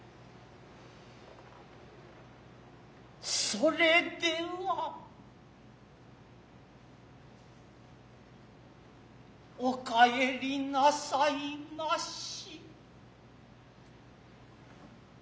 それではお帰りなさいまし。